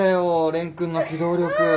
蓮くんの機動力。